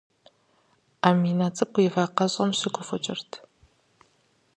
Аминэ цӏыкӏу и вакъэщӏэм щыгуфӏыкӏырт.